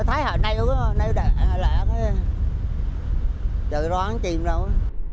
thấy họ nêu đạn trời rõ không chìm đâu